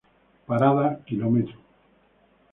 Parada Km.